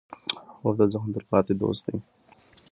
خوب د ذهن تلپاتې دوست دی